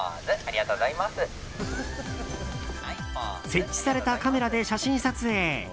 設置されたカメラで写真撮影。